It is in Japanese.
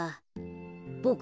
ボク